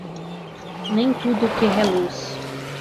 Nem tudo o que reluz